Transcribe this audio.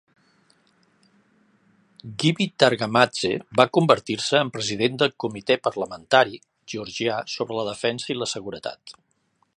Givi Targamadze va convertir-se en president del Comitè Parlamentari Georgià sobre la Defensa i la Seguretat.